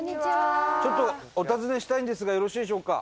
ちょっとお尋ねしたいんですがよろしいでしょうか？